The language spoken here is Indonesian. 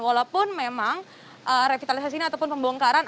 walaupun memang revitalisasi ini ataupun pembongkaran